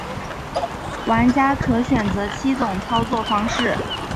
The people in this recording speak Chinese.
玩家可选择七种操纵方式。